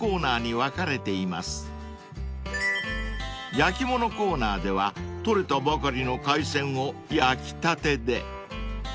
［焼き物コーナーでは取れたばかりの海鮮を焼きたてで］